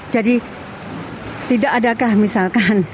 jadi tidak adakah misalkan